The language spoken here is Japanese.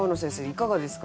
いかがですか？